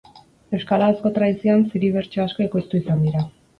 Euskal ahozko tradizioan ziri-bertso asko ekoiztu izan dira.